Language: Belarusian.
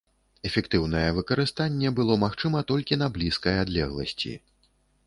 Эфектыўнае выкарыстанне было магчыма толькі на блізкай адлегласці.